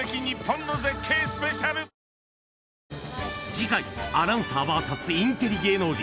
［次回アナウンサーＶＳインテリ芸能人］